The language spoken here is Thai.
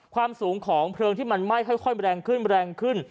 ความสูงของเพลิงที่มันไหม้ค่อยแรงขึ้นแรงขึ้น